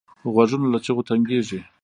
غوږونه له چغو تنګېږي